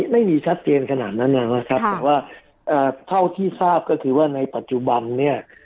ไม่มีชัดเจนขนาดนั้นนะครับแต่ว่าเท่าที่ทราบก็คือว่าในปัจจุบันเนี่ย